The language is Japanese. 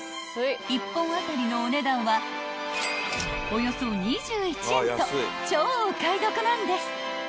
［１本当たりのお値段はおよそ２１円と超お買い得なんです］